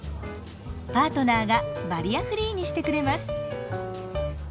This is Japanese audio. パートナーがバリアフリーにしてくれます。